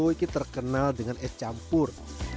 terkenal dengan es campur